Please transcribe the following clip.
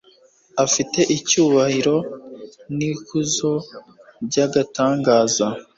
afite icyubahiro n'ikuzo by'agatangaza